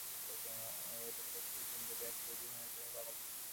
সে রূপসী সুন্দরী এক ইহুদী নারীর প্রেমে পাগল ছিল।